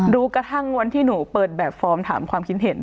รู้กระทั่งวันที่หนูเปิดแบบฟอร์มถามความคิดเห็น